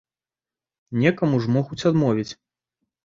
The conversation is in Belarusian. Некаму ж могуць адмовіць.